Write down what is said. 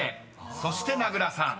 ［そして名倉さん］